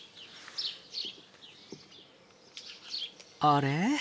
あれ？